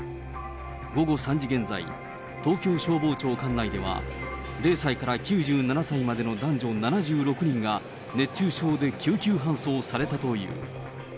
午後３時現在、東京消防庁管内では、０歳から９７歳までの男女７６人が、熱中症で救急搬送されたという。